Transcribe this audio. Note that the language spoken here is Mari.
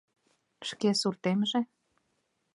Шке суртемже?..